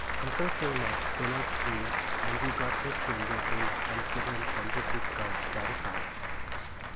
Uncle came out when I screamed, and we got the stranger in and put him on the big couch by the fire.